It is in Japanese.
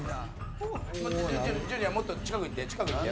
ジュニアもっと近く行って近く行って。